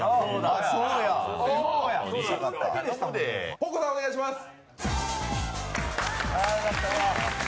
歩子さん、お願いします。